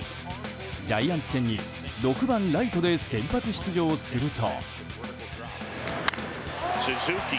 ジャイアンツ戦に６番ライトで先発出場すると。